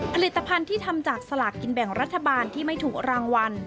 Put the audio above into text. ผลิตภัณฑ์ที่ทำจากสลากกินแบ่งรัฐบาลที่ไม่ถูกรางวัล